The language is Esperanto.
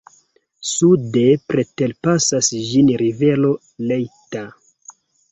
Sude preterpasas ĝin rivero Leitha.